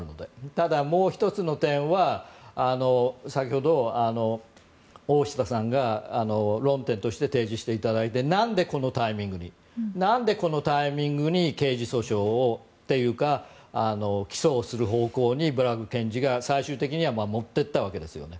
ただ、もう１つの点は先ほど大下さんが論点として提示していただいてなんでこのタイミングに刑事訴訟をというか起訴をする方向にブラッグ検事が最終的には持っていったわけですよね。